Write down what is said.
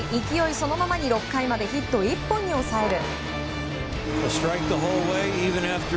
そのままに６回までヒット１本に抑える。